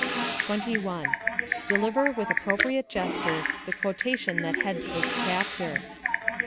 21. Deliver, with appropriate gestures, the quotation that heads this chapter.